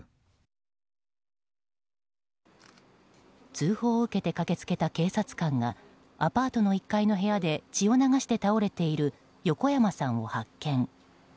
通報を受けて駆けつけた警察官がアパートの１階の部屋で血を流して倒れている横山さんを発見。